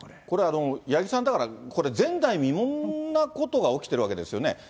これ、八木さん、だから、これ、前代未聞なことが起きてるわけですよね。